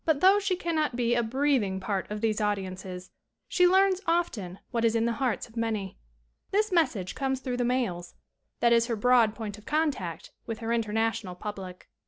though she cannot be a breathing part of these audiences she learns often what is in the hearts of many. This message comes through the mails; that is her broad point of contact with her international public.